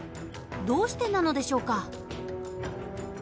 どうしてなのでしょうか？